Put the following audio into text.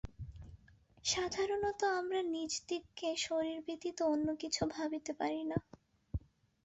সাধারণত আমরা নিজদিগকে শরীর ব্যতীত অন্য কিছু ভাবিতে পারি না।